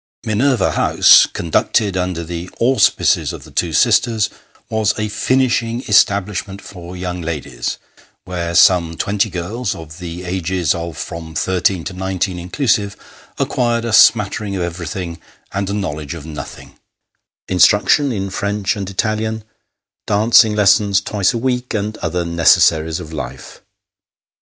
Minerva House, conducted under the auspices of the two sisters, was a " finishing establishment for young ladies," where some twenty girls of the ages of from thirteen to nineteen inclusive, acquired a smattering of everything, and a knowledge of nothing ; instruction in French and Italian, dancing lessons twice a week ; and other necessaries of life.